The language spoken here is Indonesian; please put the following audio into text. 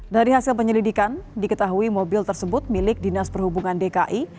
dari hasil penyelidikan diketahui mobil tersebut milik dinas perhubungan dki